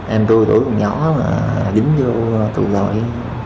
em tôi tuổi còn nhỏ mà dính vô tù lợi